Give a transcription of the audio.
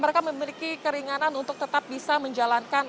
mereka memiliki keringanan untuk tetap bisa menjalankan